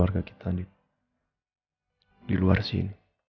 dan berjuang melindungi keluarga kita di luar sini